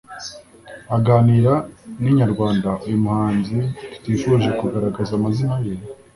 aganira na inyarwanda uyu muhanzi tutifuje kugaragaza amazina ye